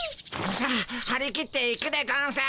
さあはり切っていくでゴンス。